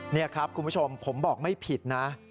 นี่ครับคุณผู้ชมผมบอกไม่ผิดนะ